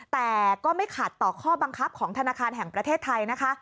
แต่ก็ไม่ขัดต่อข้อบังคับของธนาคารแห่งประเทศไทยนะคะ